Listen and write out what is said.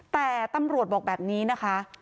แต่ตำรวจบอกแบบนี้นะคะ